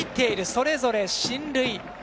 それぞれ進塁。